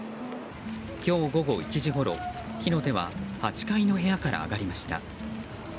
今日午後１時ごろ、火の手は８階の部屋から上がりました。